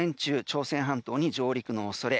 朝鮮半島に上陸の恐れ。